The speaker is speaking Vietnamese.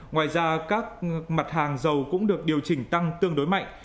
ngoài ra các mặt hàng dầu cũng được điều chỉnh tăng tương đối mạnh